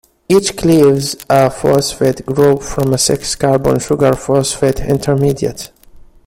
Each cleaves a phosphate group from a six-carbon sugar phosphate intermediate.